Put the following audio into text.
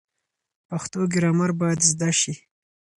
پښتو ګرامر باید زده شي.